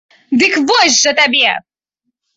Дык вось жа табе!